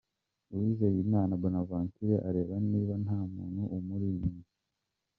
Uwizeyimana Bonaventure areba niba nta muntu umuri inyuma.